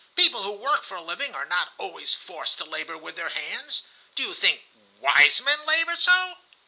People who work for a living are not always forced to labor with their hands. Do you think wise men labor so?"